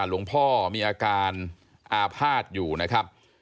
หลวงพ่อมีอาการอาภาษณ์อยู่นะครับ